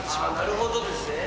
なるほどですね。